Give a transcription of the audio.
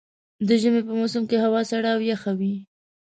د ژمي په موسم کې هوا سړه او يخه وي.